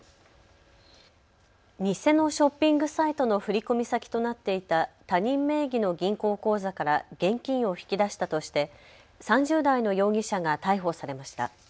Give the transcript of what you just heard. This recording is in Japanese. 偽のショッピングサイトの振込先となっていた他人名義の銀行口座から現金を引き出したとして３０代の容疑者が逮捕されました。